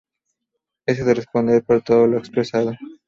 Ese de responder por todo lo expresado.